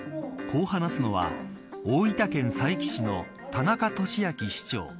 こう話すのは大分県佐伯市の田中利明市長。